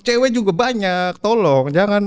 cewek juga banyak tolong